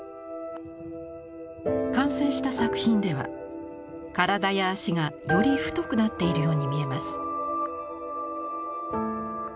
完成した作品では体や脚がより太くなっているように見えます。